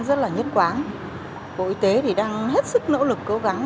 rất là nhất quán bộ y tế thì đang hết sức nỗ lực cố gắng